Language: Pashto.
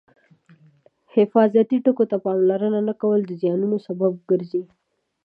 حفاظتي ټکو ته پاملرنه نه کول د زیانونو سبب ګرځي.